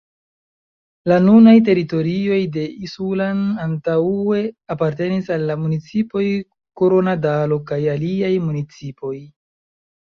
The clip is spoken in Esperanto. La nunaj teritorioj de Isulan antaŭe apartenis al la municipoj Koronadalo kaj aliaj municipoj.